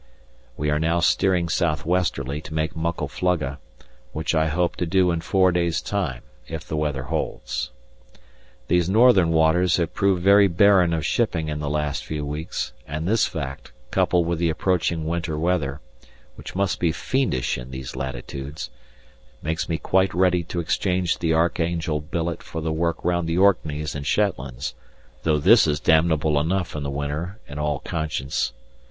We are now steering south westerly to make Muckle Flugga, which I hope to do in four days' time if the weather holds. These Northern waters have proved very barren of shipping in the last few weeks, and this fact, coupled with the approaching winter weather, which must be fiendish in these latitudes, makes me quite ready to exchange the Archangel billet for the work round the Orkneys and Shetlands, though this is damnable enough in the winter, in all conscience.